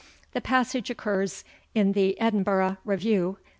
The passage occurs in the EDINBURGH REVIEW, No.